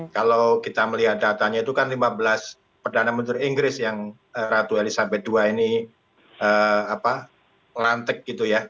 kalau kita melihat datanya itu kan lima belas perdana menteri inggris yang ratu elizabeth ii ini lantik gitu ya